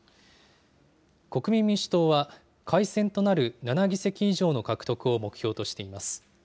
国民民主党は、改選となる７議席以上の獲得を目標としています。